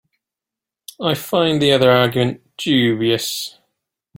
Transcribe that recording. I find the other argument dubious.